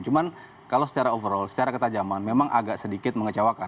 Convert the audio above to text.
cuman kalau secara overall secara ketajaman memang agak sedikit mengecewakan